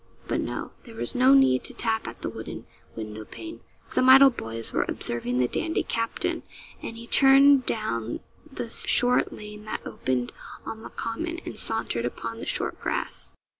But no there was no need to tap at the wooden window pane. Some idle boys were observing the dandy captain, and he turned down the short lane that opened on the common, and sauntered upon the short grass.